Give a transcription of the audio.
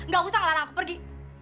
gak usah ngalahin aku pergi